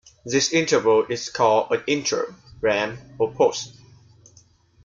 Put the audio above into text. This interval is called an intro, ramp, or post.